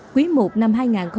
quý một năm hai nghìn hai mươi hai